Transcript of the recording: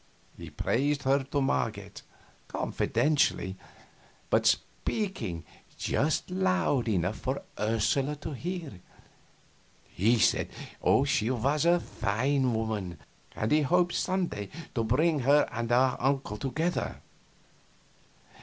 He praised her to Marget, confidentially, but speaking just loud enough for Ursula to hear. He said she was a fine woman, and he hoped some day to bring her and his uncle together.